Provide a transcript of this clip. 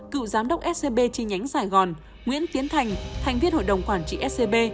cựu giám đốc scb chi nhánh sài gòn nguyễn tiến thành thành viên hội đồng quản trị scb